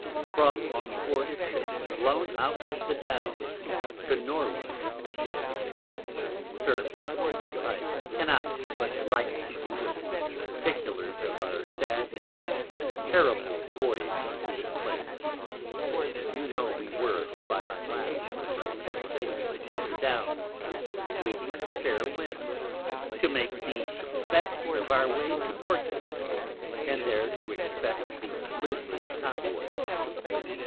From on board a Ship blown out of the Downs to Norway. SIR, I cannot but write to you of the Particulars of our sad and terrible Voyage to this Place. You know we were, by my last, riding safe in the Downs, waiting a fair Wind, to make the best of our way to Portsmouth, and there to expect the Lisbon Convoy.